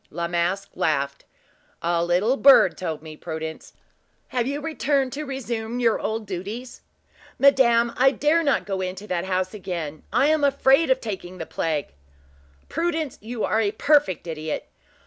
La Masque laughed. "A little bird told me, Prudence! Have you returned to resume your old duties?" "Madame, I dare not go into that house again. I am afraid of taking the plague." "Prudence, you are a perfect idiot!